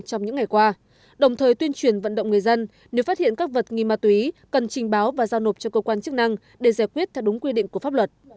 trong những ngày qua đồng thời tuyên truyền vận động người dân nếu phát hiện các vật nghi ma túy cần trình báo và giao nộp cho cơ quan chức năng để giải quyết theo đúng quy định của pháp luật